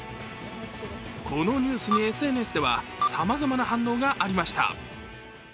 このニュースにＳＮＳではさまざまな反応がありました。